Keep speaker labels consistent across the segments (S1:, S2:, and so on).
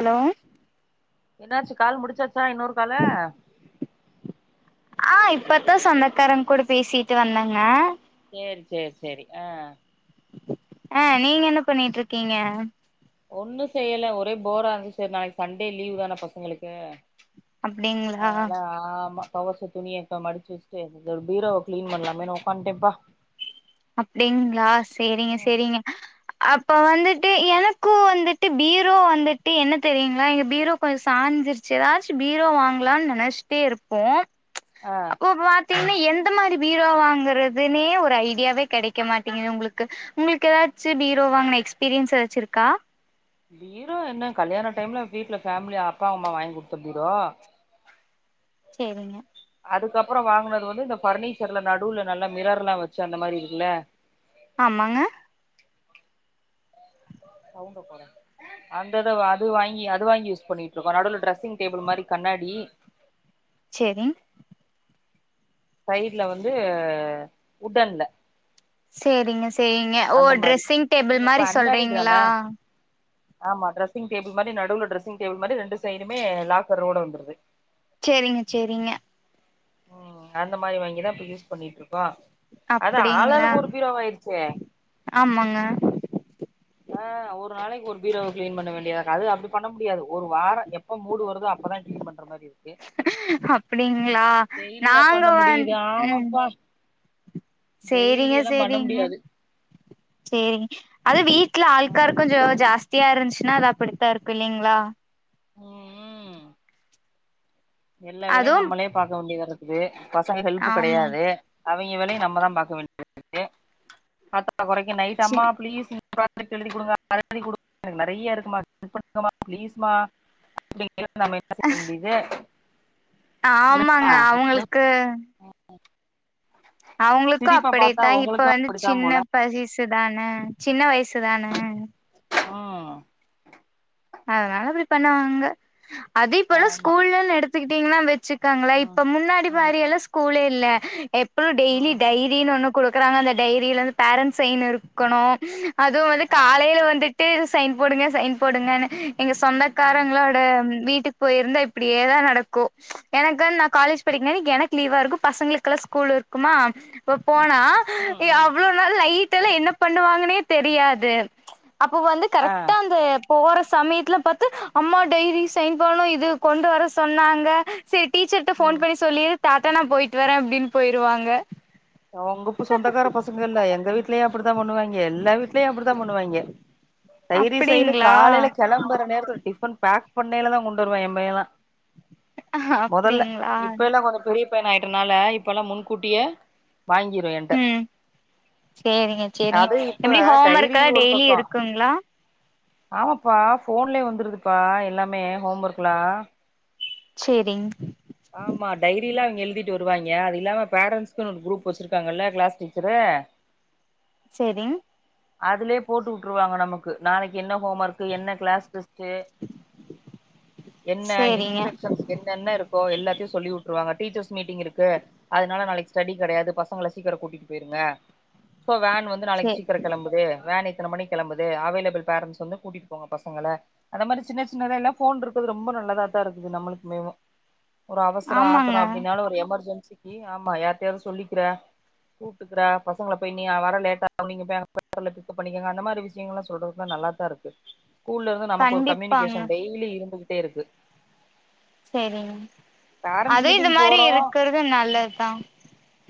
S1: hello
S2: என்னாச்சு call முடிச்சாச்சா இன்னொரு காலு
S1: அ இப்பத்தா சொந்தக்காரங்க கூட பேசிட்டு வந்தங்க
S2: சேரி சேரி சேரி அ
S1: அ நீங்க என்ன பண்ணிட்டு இருக்கீங்க
S2: ஒன்னு செய்யல ஒரே போரா இருந்துச்சு சேரி நாளைக்கு சண்டே லீவ் தான பசங்ளுக்கு
S1: அப்டிங்களா
S2: அதனால ஆமா தொவச்ச துணிய இப்ப மடிச்சு வச்சுட்டு பீரோவ கிளீன் பண்லாமேன்னு உட்காட்டேம்பா
S1: அப்டிங்ளா சேரிங்க
S2: ம்
S1: சேரிங்க அ அப்போ வந்துட்டு எனக்கு வந்துட்டு பீரோ வந்துட்டு என்ன தெரியுங்களா எங்க பீரோ கொஞ்சோ சாஞ்ருச்சு ஏதாச்சு பீரோ வாங்கலானு நெனச்சிட்டே இருப்போ
S2: ஆ
S1: அப்ப பாத்தீங்னா எந்த மாரி பீரோ வாங்குறதுனே ஒரு ஐடியாவே கெடைக்க மாட்டிங்குது உங்ளுக்கு உங்ளுக்கு ஏதாச்சு பீரோ வாங்கின எக்ஸ்பீரியன்ஸ் ஏதாச்சி இருக்கா
S2: பீரோ என்ன கல்யாண டைம்ல வீட்ல ஃபேமிலி அப்பா அம்மா வாங்குடுத்த பீரோ
S1: சேரிங்க
S2: அதுக்கப்றோ வாங்கனது வந்து இந்த ஃபர்னிச்சர்ல நடுவுல நல்ல மிரர்லா வச்சி அந்த மாரி இருக்குல்ல
S1: ஆமாங்க
S2: சவுண்ட கொற அந்தத அது வாங்கி அது வாங்கி யூஸ் பண்ணிட்ருக்கோ நடுவுல டிரெஸ்ஸிங் டேபிள் மாரி கண்ணாடி
S1: செரிங்
S2: சைட்ல வந்து உட்டன்ல
S1: சேரிங்க சேரிங்க ஓ
S2: அந்த மாரி
S1: டிரெஸ்ஸிங் டேபிள்
S2: நீங்க இப்ப
S1: மாரி
S2: அன்மேரிட் தான
S1: சொல்றீங்களா
S2: ஆமா டிரெஸ்ஸிங் டேபிள் மாரி நடுவுல டிரெஸ்ஸிடேபிள் மாரி ரெண்டு சைடுமே லாக்க ரோட வந்துருது
S1: சேரிங்க சேரிங்க
S2: ம் அந்த மாரி வாங்கிதா இப்ப யூஸ் பண்ணிட்ருக்கோ அதா
S1: அப்டிங்களா
S2: ஆளாளுக்கு ஒரு பீரோவாயிருச்சே
S1: ஆமாங்க
S2: ஆ ஒரு நாளைக்கு ஒரு பீரோ கிளீன் பண்ண வேண்டியதா அது அப்டி பண்ண முடியாது ஒரு வாரோ எப்ப மூடு வருதோ அப்பதா கிளீன் பண்ற மாரி இருக்கு
S1: அப்டிங்ளா
S2: டெய்லியா
S1: நாங்க
S2: பண்ண
S1: வந்
S2: முடியுது
S1: ம்
S2: ஆமாப்பா டெய்லி
S1: சேரிங்க
S2: எல்லா பண்ண
S1: சேரிங்க
S2: முடியாது
S1: சேரி அது வீட்ல
S2: ம்
S1: அழுக்காருக்குஞ்சோ ஜாஸ் த்தியா இருன்சின்னா அது அப்படித்தா இருக்கு இல்லைங்ளா
S2: உம் உம் எல்லா வேலையு
S1: அதுவும்
S2: நம்மளே பாக்க வேண்டியதா இருக்குது பசங்க ஹெல்ப்பு
S1: ஆமா
S2: கிடையாது அவிங்க வேலையு நம்மதா பாக்க வேண்டியதா இருக்குது பத்தாத கொறைக்கு நைட்
S1: சே
S2: அம்மா பிளீஸ் ப்ராஜக்ட் எழுதி குடுங்க அத பண்ணி குடுங்க நெறைய இருக்குமா ஹெல்ப் பண்ணுங்கமா பிளீஸ்மா [inaudible] நம்ம என்ன செய்ய முடியுது
S1: ஆமாங்க
S2: என்னப்பா
S1: அவுங்களுக்கு அவுங்களுக்கு
S2: சிரிப்ப பாத்தா
S1: அப்படிதா இப்ப
S2: உங்களுக்கும்
S1: வந்து
S2: அப்படித்தான் போல
S1: சின்ன பரிசு தானே சின்ன வயசுதானே
S2: உம்
S1: அதனால இப்புடி பண்ணுவாங்க அதே இப்போ எல்லா
S2: ஆமா
S1: ஸ்கூல்லு எடுத்துக்கிட்டீங்கன்னா வெச்சி இருக்காங்களா இப்ப
S2: ம்
S1: முன்னாடி
S2: ம்
S1: மாரி எல்லா ஸ்கூலே இல்ல எப்பளு டெய்லியு
S2: ம்
S1: டய்லி வீல் ஒண்ணு குடுக்கறாங்க அந்த டைரிலந்து பேரன்ட்ஸ் சைன் இருக்கணு அதுவு வந்து
S2: ஆ
S1: காலைல வந்து ட்டு சைன் போடுங்க சைன் போடுங்கனு எங்க
S2: ம்
S1: சொந்தக்காரங்ளோட ஆ வீட்டுக் போயிருந்தா இப்பிடியேதா நடக்கு எனக்வந்து நா காலேஜ் படிக்கும்போது எனக்கு லீவா இருக்கு பசங்களுக்கெல்லா ஸ்கூல் இருக்குமா இப்ப போனா
S2: ம் ம்
S1: அவ்ளோலா லைட்டெல்லா என்ன பண்ணுவாங்கன்னே தெரியாது அப்ப வந்து
S2: ஆ
S1: கரெக்டா அந்த போற சமயத்துல பாத்து அம்மா டைரி சைன் பண்ணணு இது கொண்டு வர சொன்னாங்க செரி டீச்சர்ட்ட ஃபோன்
S2: ம்
S1: பண்ணி சொல்லிரு டாட்டா நா போயிட்டு வரேன் அப்டின்னு போயிருவாங்க
S2: அவங்கப்ப சொந்தக்கார பசங்க இல்ல எங்க வீட்லயு அப்படித்தா பண்ணுவாங்க எல்லா வீட்லயு அப்படித்தா பண்ணுவாங்க டைரி சைன்னு
S1: அப்டிங்களா
S2: காலைல கெளம்போற நேரத்துல டிஃபன் பேக் பண்ணைலதா கொண்டு வருவா எ பைய்யேலா மொதல்ல
S1: அப்டிங்களா
S2: இப்ப எல்லா கொஞ்ச பெரிய பையனா ஆயிட்டனால இப்ப எல்லா முன்கூட்டியே வாங்கிரு என்ட்ட
S1: ம் சேரிங்க சேரிங்க
S2: அது இப்ப
S1: எப்டி ஹோம்
S2: டைரி
S1: ஒர்க் எல்லா
S2: ஒரு
S1: டெய்லி
S2: பக்கோ
S1: இருக்குங்ளா
S2: ஆமாப்பா ஃபோன்லே வந்துருதுப்பா எல்லாமே ஹோம் ஒர்க்குலா
S1: சேரிங்
S2: ஆமா டைரில்லா அவுங்க எழுதிட்டு வருவாய்ங்க அது இல்லாம பேரண்ட்ஸ்க்குனு ஒரு குரூப் வச்சிருக்காங்கல்ல கிளாஸ் டீச்சரு
S1: சேரிங்
S2: அதுலயே போட்டு விட்டுருவாங்க நமக்கு நாளைக்கு என்ன ஹோம் ஒர்க் என்ன கிளாஸ் கு என்ன
S1: சேரிங்க
S2: இன்ஸ்ட்ரக்ஷன்ஸ் என்னென்ன இருக்கோ எல்லாத்தையு சொல்லி விட்டுருவாங்க டீச்சர்ஸ் மீட்டிங் இருக்கு அதனால நாளைக்கு ஸ்டடி கிடையாது பசங்களை சீக்கிரோ கூட்டிட்டு போயிருங்க சோ வேன் வந்து நாளைக்கு
S1: சே
S2: கிளம்புது வேண் இத்தன மணி கிளம்புது அவைலபிள் பேரண்ட்ஸ் வந்து கூட்டிட்டு போங்க பசங்கள அந்த மாரி சின்ன சின்னதல்ல போன் இருக்குது ரொம்ப நல்லதா தா இருக்குது நம்மளுக்குமேவே ஒரு அவசரோ ஆத்திரோ
S1: ஆமாங்க
S2: அப்படின்னாலு ஒரு எமர்ஜென்சி ஆமா யாரிட்டயாவது சொல்லிக்கிறே கூட்டுக்குறே பசங்கள போய் நீ வர லேட் ஆவு நீங்க போய் அங்க பசங்கள பிக்கப் பண்ணிக்கோங்க அந்த மாரி விஷயங்கல்லா சொல்றதுதா நல்லாதா இருக்கு ஸ்கூல்ல இருந்து நமக்கு ஒரு
S1: கண்டிப்பாங்க
S2: கம்யூனிகேஷன் டெய்லி இருந்துகிட்டே இருக்கு
S1: சேரிங்
S2: பேரண்ட்ஸ்
S1: அதே இது
S2: மீட்டிங்
S1: மாரி
S2: போறோ
S1: இருக்கிறது நல்லதுதா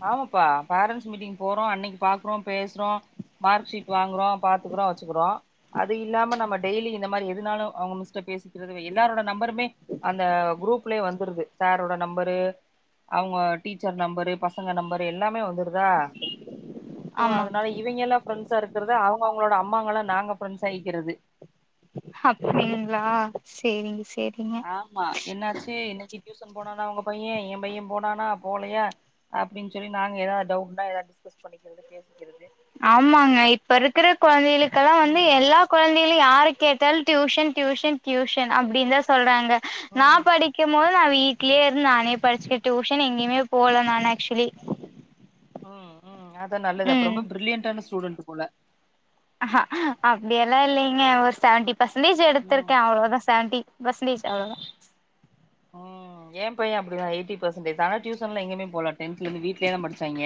S2: ஆமாப்பா பேரண்ட்ஸ் மீட்டிங் போறோ அன்னைக்கு பாக்குறோ பேசுறோ மார்க்ஷீட் வாங்குறோ பாத்துக்குறோ வச்சுக்கிறோ அது இல்லாம நம்ம டெய்லி இந்த மாரி எதுனாலு அவங்க மிஸ்ட பேசி எல்லாரோட நம்பருமே அந்த குரூப்லயே வந்துருது சாரோட நம்பரு அவங்க டீச்சர் நம்பரு பசங்க நம்பரு எல்லாமே வந்துருதா சோ
S1: ஆமா
S2: அதனால இவங்கே எல்லா ஃப்ரெண்ட்ஸா இருக்கற அவங்க அவங்களோட அம்மாங்க எல்லா நாங்க பிரரெண்ட்ஸா ஆகிக்கிறது
S1: அப்படிங்களா சரிங்க சரிங்க
S2: ஆமா என்னாச்சு இன்னைக்கு டியூசன் போனானா உங்க பையே என் பையே போனானா போலைய அப்படின்னு சொல்லி நாங்க ஏதாவது டவுட்னா ஏதாவது டிஸ்கஸ் பண்ணிக்கிறது பேசிக்கிறது
S1: ஆமாங்க இப்ப இருக்கிற குழந்தைகளுக்கெல்லா வந்து
S2: ம்
S1: எல்லா குழந்தைகளு யாருக்கு கேட்டால் டியூஷன் டியூஷன் டியூஷன் அப்படின்னு தா சொல்றாங்க நா
S2: ம்
S1: படிக்க படிக்கும்போது நா வீட்லயே இருந்து நானே படிச்சுக்க டியயூஷன் எங்கேயுே போல நா ஆக்சுவலி
S2: ம் ம் அதா நல்லது அப்ப
S1: ம்
S2: ரொம்ப பிரில்லியன்டான ஸ்டூடண்டட் போல
S1: அ அப்படியெல்லா இல்லைங்க ஒரு செவன்டிி பர்சன்டேஜ்
S2: ம்
S1: எடுத்திருக்கே அவ்ளோதா செவன்டி பெர்சென்ட்டேஜ் அவ்ளோதா [inaudible]
S2: ம் ஏ பையனு அப்படிதா எயிட்டி பெர்சன்டேஜ் ஆனா டியூஷன் எங்கமே போல டென்த் ல வீட்லயே தா படிச்சாங்க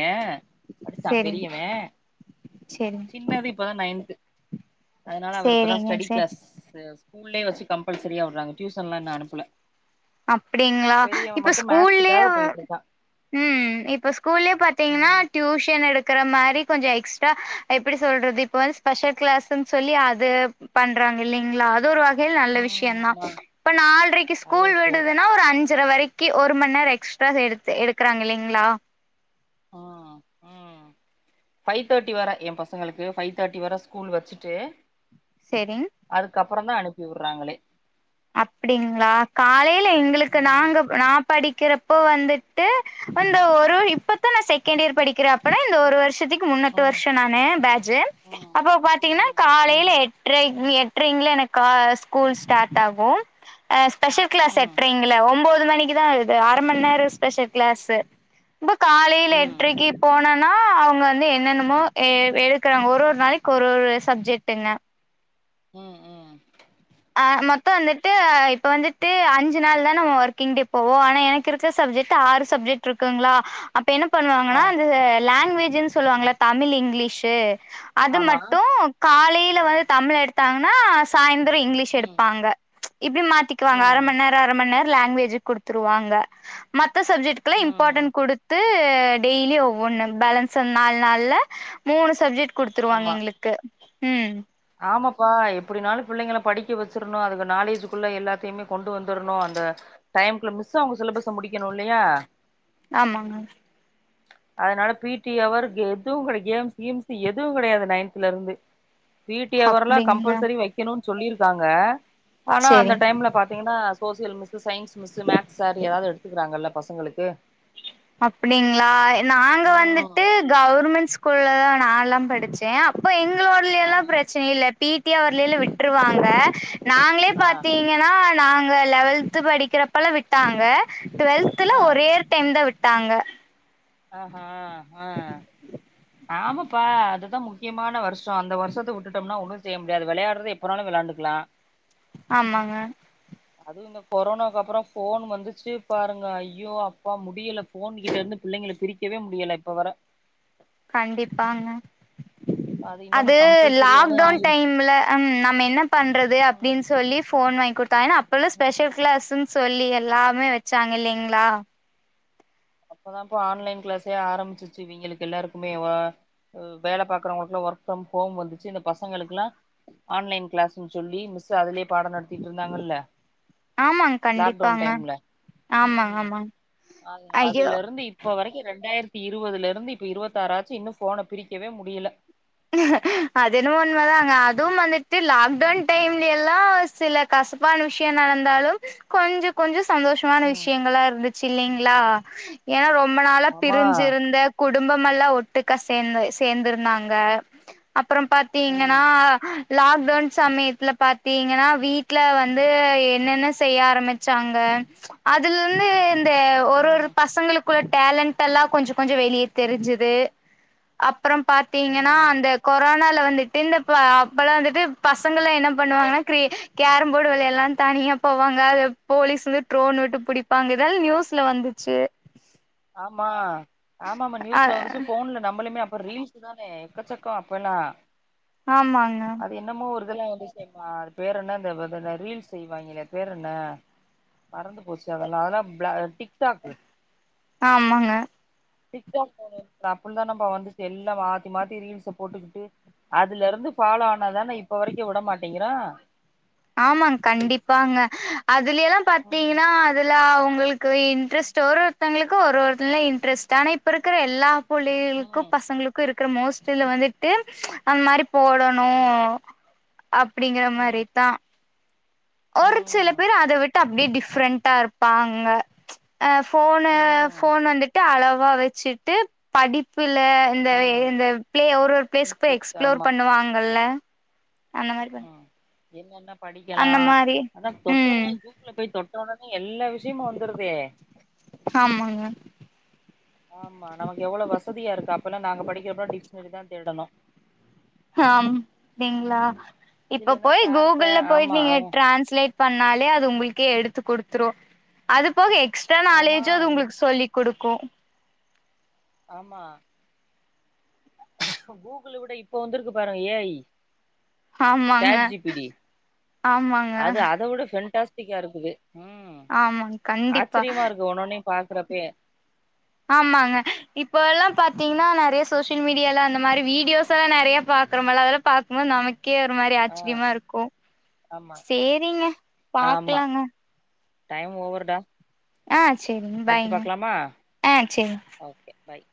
S2: படிச்சா
S1: செரிங்க
S2: பெரியவே
S1: செரிங்க
S2: சின்னது இப்பதா நைன்து அதனால அவரு இப்பதா
S1: சேரிங்க
S2: ஸ்டடி
S1: சேரி
S2: கிளாஸ் ஸ்கூல்லே வச்சு கம்பல்சரியா விடுறாங்க டியூஷன் எல்லா நான் அனுப்புல
S1: அப்படிங்களா இப்ப ஸ்கூல்லயே
S2: மேக்ஸுக்காக போயிட்ருக்கா
S1: ம் இப்போ ஸ்கூல்லயே பார்த்தீங்கன்னா
S2: ம்
S1: டியூஷன் எடுக்கிற மாதிரி கொஞ்ச எக்ஸ்ட்ரா எப்படி சொல்றது இப்போ ஸ்பெஷல் கிளாஸ்ன்னு சொல்லி அது பண்றாங்க இல்லலைங்களா அது ஒரு நல்ல
S2: ம்
S1: விஷயந்தா
S2: ஆமா
S1: இப்ப நாள்ரைக்கு
S2: நல்ல
S1: ஸ்கூல் விட
S2: விஷ்யோ
S1: ஒரு அஞ்சரை வரைக்கு ஒரு மணி நேரோ எக்ஸ்ட்ரா எடுத்து எடுக்கறாங்க இல்லலைங்களா
S2: ம் ம்
S1: [inaudible]
S2: ஃபைவ் தேர்ட்டி வர என் பசங்களுக்கு ஃபைவ் தேர்டி வர ஸ்கூல் வச்சிட்டு
S1: சரிங்க
S2: அதுக்கப்புறோ தா அனுப்பி விடுறாங்களே
S1: அப்படிங்களா காலையில எங்களுக்கு
S2: ம்
S1: நாங்க நான் படிக்கிறப்போ வந்துட்டு அ ஒரு இப்பத்தா நா செகண்ட் இயர் படிக்கிறே அப்பனா இந்த ஒரு வருஷத்துக்கு முன்னட்டு
S2: ம்
S1: வருஷோ நா நே பேஜ்
S2: ம்
S1: அப்போ பாத்தீங்கன்னா
S2: ம்
S1: காலையில
S2: ம்
S1: எட்டரைங்க என ஸ்கூல் ஸ்டார்ட் ஸ்பெஷல் கிளாஸ்
S2: ம் ம்
S1: எற்றை ஒன்பது மணிக்குதா ஆகுது அரை மணி நேரம் ஸ்பெஷல் கிளாஸ்ஸு இப்ப காலில
S2: ம்
S1: எட்ரைக்கு போனோனா அவங்க வந்து என்னென்னமோ எடுக்கறாங்க ஒரு ஒரு நாளைக்கு ஒரு ஒரு சப்ஜெக்ட் என்ன
S2: ம் ம்
S1: ஆ மொத்த வந்துட்டு இப்ப வந்துட்டு அஞ்சு நாள் தா நம்ம ஒர்க்கிங் டே போவோ ஆனா எனக்கு இருக்க சப்ஜெக்ட் ஆறு சப்ஜெக்ட் இருக்குங்களா அப்ப என்ன
S2: ஆ
S1: பண்ணுவாங்கன்னா இந்த லாங்குவேஜுன்னு சொல்லுவாங்கள தமிழ் இங்கிலீஷு அது
S2: ஆமா
S1: மட்டு காலில வந்து தமிழ் எடுத்தாங்கன்னா சாயந்தரோ இங்கிலீஷ்
S2: ம்
S1: எடுப்பாங்க இப்படி மாத்திக்குவாங்க அர
S2: ம்
S1: மணி நேரோ அர மணி நேரோ லாங்குவேஜ் குடுத்துருவாங்க மத்த சப்ஜெக்ட் இம்பார்ட்டண்ட்
S2: ம்
S1: கொடுத் து டெய்லி ஒவ்வொன்னு பேலன்ஸ் நாலு நாள்ல மூணு சப்ஜெக்ட் குடுத்துருவாங்க
S2: ஆமா
S1: எங்களுக்கு ம்
S2: ஆமாப்பா எப்டினாலு பிள்ளைங்கள படிக்க வெச்சரனு அதுக்கு நாலேஜக்குள்ள எல்லாத்தையுமே கொண்டு வந்துரணு அந்த டைம் குள்ள மிஸ்ஸு அவங்க சிலபஸ்ஸ முடிக்கணு இல்லையா
S1: ஆமாங்க
S2: அதனால பி டி ஹவர் எதுவு கிடையா கேம் கிம்ஸ் எதுவு கிடையாது நயன்த்ல இருந்து பி டி அவர் எல்லா
S1: அப்டிங்களா
S2: கம்பல்சரி வைக்கணு சொல்லிருக்காங்க ஆனா அந்த
S1: சேரிங்
S2: டைம்ல பாத்தீங்ன்னா social miss science miss maths sir ஏதாவது எடுத்துக்கிறாங்கல்ல பசங்களுக்கு
S1: அப்டிங்களா நாங்க
S2: ம்
S1: வந்துட்டு கவர்மெண்ட் ஸ்கூல்ல தா நாலா படிச்சே அப்ப எங்களோட எல்லா
S2: ஆமா
S1: பிரச்சன இல்ல பி டி ஹவர்லல்ல விட்டுருவாங்க நாங்ளே
S2: ஆ
S1: பாத்தீங் கன நாங்க லெவல்த் படிக்கிறப்பல விட்டாங்க டுவெல்தல
S2: ஆ
S1: ஒரே ஒர்டைம் தா விட் டாங்க
S2: ஆ ஹ ஆ ஆமாப்பா அதுதா முக்கியமான வருஷ் ஷோ அந்த வருஷத்த விட்டுட்டோம்ன ஒன்னு செய் முடியாது விளையாடுறது எப்ப வேனாலு விளாண்டுக்கலா
S1: ஆமாங்க
S2: அதுவு இந்த கொரோனாக்கு அப்றோ ஃபோன் வந்துச்சு பாருங்க ஐயோ அப்பா முடியில போன் கிட்ட இருந்து பிள்ளைங்கள பிரிக்கவே முடியல இப்ப வர
S1: கண்டிப்பாங்க
S2: இன்னொன்னு
S1: அது
S2: கம்பல்சரியாவு
S1: லாக்டவுன்
S2: ஆயிருச்சு
S1: டைம்ல ம் நம்ம என்ன பண்றது
S2: ம்
S1: அப்டின்னு சொல்லி ஃபோன் வாங்கி கொடுத்தா ஏன்ன அப்பல்லா
S2: ம்
S1: ஸ்பெஷல் கிளாஸ்ன்னு சொல்லி எல்லாமே வச்சாங்க இல்லைங்ளா
S2: அப்பதாப்ப ஆன்லைன் கிளாஸே ஆரம்பிருச்சுச்சு இவங்களுக்கு எல்லாருக்குமேவோ வேல பாக்குறவங்களுக்கு எல்லா ஒர்க் ஃப்ரம் ஹோம் வந்துச்சு இந்த பசங்களுக்கு எல்லா ஆன்லைன் கிளாஸ்னு சொல்லி மிஸ் அதுலே பாட நடத்திட்டு இருந்தாங்கல்ல
S1: ஆமாங்க
S2: லாக் டவுன்
S1: கண்டிப்பாங்க
S2: டைம்ல
S1: ஆமாங்க
S2: ம்
S1: ஆமாங்க
S2: அ
S1: ஐயோ
S2: அதுல இருந் து இப்ப வரைக்கு ரெண்டாயிரத்து இருவதுல இருந்து இப்ப இருவத்தி ஆறாச்சு இன்னு ஃபோனா பிரிக்கவே முடில
S1: அது என்வோ உண்ம தாங்க அதுவும் வந்துட்டு லாக்டவுன் டைம்ல எல்லா சில கசப்பான விஷய என்ன நடந்தாலு கொஞ்ச கொஞ்ச சந்தோஷ கசப்பான
S2: ம்
S1: விஷயங்களா இருந்துச்சு இல்லைங்ளா ஏன்னா ரொம்ப நாளா
S2: ஆமா
S1: பிரிஞ்சியிருந்த குடும்பம் எல்லா ஒட்டுக்கா சேந்து சேந்து இருந்தாங்க அப்றோ பாத்தீங்ன்னா
S2: ம்
S1: லாக்டவுன் சமயத்துல பாத்தீங்கனா வீட்ல வந்து என்னென்ன செய்ய ஆரம்பிச்சாங்க அதுல இருந்து இந்த ஒரு ஒரு
S2: ம்
S1: பசங்களுக்குள்ள டேலண்ட் எல்லா கொஞ்ச கொஞ்ச வெளிய தெரிஞ்சுது அப்றோ பாத்தீங்கன்னா
S2: ம்
S1: னால வந்துட்டு இந்த அப்பல்லா வந்துட்டு பசங்கள என்ன பண்ணுவாங்னா கிர கேரம்போர்டு விளையாடுலானு தனிய போவாங்க அத போலீஸ் வந்து ட்ரோன் விட்டு புடிப்பாங்க இதல நியூஸ்ல வந்துச்சு
S2: ஆமா ஆமா ஆமா
S1: அ
S2: நியூஸ்ல வந்துச்சு போன்ல நம்மளுமே அப்ப ரீல்ஸ் சமே எக்கச்சக்க அப்போலா
S1: ஆமாங்க
S2: அது என்னமோ ஒரு இதெலா வந்து செய்மா அது பேர் என்ன இந்த பே பே இந்த ரீல்ஸ் செய்வாங்ளே அது பேர் என்ன மறந்து போச்சு அதுல்லா அதா பள டிக் டாக்கு
S1: ஆமாங்க
S2: டிக் டாக் அப்டி தா நம்ம வந்து எல்லா மாத்தி மாத்தி ரீல்ஸ போட்டுக்கிட்டு அதுல இருந்து ஃபாலோ ஆனாது தான இப்ப வரைக்கு உடமாட்டேங்கிறோ
S1: ஆமாங்க கண்டிப்பாங்க அதுலே தா
S2: ம்
S1: பாத்தீங்ன்னா அதுல அவங்களுக்கு இன்ட்ரெஸ்ட் ஒரு ஒருத்தங்களுக்கு ஒரு ஒரு இதுல இன்ட்ரெஸ்ட் ஆனா இப்ப இருக்கற எல்லா புளிங்களுக்கு
S2: ம்
S1: பசங்களுக்கு இருக்கிற மோஸ்ட்ல வந்துட்டு அந்த மாரி போட னு
S2: ம்
S1: அப்டிங்கற
S2: ம்
S1: மாரிதா ஒரு சில
S2: ம்
S1: பேரு அத விட்டு அப்டியே டிஃப்ரெண்டண்டா இருப்பாங்க ஆ ஃபோன
S2: ம்
S1: ஃபோன் வந்துட்டு அளவா வச்சுட்டு படிப்புல இந்த
S2: ம்
S1: இந்த பிள ஒரு ஒரு பிளேஸ்கு போய்
S2: இன்ட்ரெஸ்ட் ஆமா
S1: எக்ஸ்ப்ளோர் பண்ணுவாங்கல்ல அந்த மாரி பண்
S2: என்னன்ன படிக்கலா
S1: அந்த மாரி
S2: அதா
S1: ம்
S2: தொட்டவுடனே கூக்குல போய் தொட்ட உடனே எல்லா விஷயமு வந்துருதே
S1: ஆமாங்க
S2: ஆமா நமக்கு எவ்வளவு வசதியா இருக்கு அப்பெல்லா நாங்க படிக்கிறப்ப டிக்ஷனரி தா தேடணு
S1: ஆஹம் அப்டிங்களா இப்ப
S2: இல்லைன்னா
S1: போய்
S2: சார்ட்ட
S1: கூகுள போயிட்டு
S2: ஆமா
S1: நீங்க
S2: அவங்க
S1: ட்ரான்ஸ்லேட் பண்ணாலே அது உங்களுக்கே எடுத்து கொடுத்துரு அது போக எக்ஸ்ட்ரா
S2: ஆமா
S1: நாலேஜு அது
S2: இங்
S1: உங்களுக்கு சொல்லி குடுக்கு
S2: ஆமா கூகுள் விட இப்ப வந்திருக்கு பாருங்க ஏ ஐ
S1: ஆமாங்க
S2: சாட் ஜி பி டி
S1: ஆமாங்க
S2: அது அதை விட பொஸ்டிக்கா இருக்குது ம்
S1: ஆமாங் கண்டிப்பா
S2: ஆச்சரியமா இருக்கு ஒண்ணொன்னையு பாக்கறப்பயே
S1: ஆமாங்க இப்ப எல்லா பாத்தீங்கன்னா நெறைய சோசியல் மீடியால அந்த மாரி வீடியோஸ் எல்லா நெறைய பாக்குறோமல அதெல்லா பாக்கும் போது நமக் கே ஒரு மாரி
S2: ஆ
S1: ஆச்சரியமா இருக்கு
S2: ஆமா
S1: சேரிங்க
S2: ஆமா
S1: பாக்கலாங்க
S2: டைம் ஓவர்டா
S1: ஆ சேரிங்க
S2: அடுத்து
S1: பாயங்க
S2: பாக்கலாமா
S1: ஆ சேரி
S2: ஓகே பாய்